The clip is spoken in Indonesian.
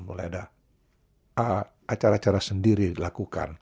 mulai ada acara acara sendiri dilakukan